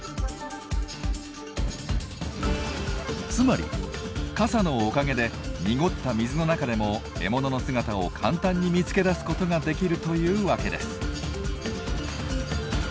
つまり傘のおかげで濁った水の中でも獲物の姿を簡単に見つけ出すことができるというわけです。